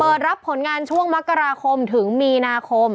รับผลงานช่วงมกราคมถึงมีนาคม